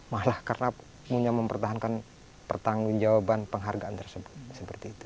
malah karena punya mempertahankan pertanggung jawaban penghargaan tersebut